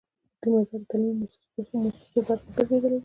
کیمیاګر د تعلیمي موسسو برخه ګرځیدلی دی.